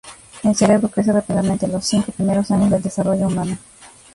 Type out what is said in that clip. El cerebro crece rápidamente los cinco primeros años de desarrollo humano.